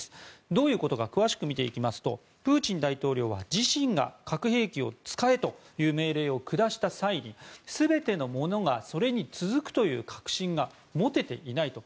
どういうことか詳しく見ていきますとプーチン大統領は自身が核兵器を使えという命令を下した際に全ての者がそれに続くという確信が持てていないと。